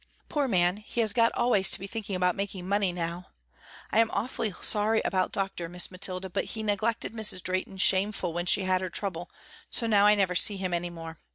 Poor man, he has got always to be thinking about making money now. I am awful sorry about Doctor, Miss Mathilda, but he neglected Mrs. Drehten shameful when she had her trouble, so now I never see him any more.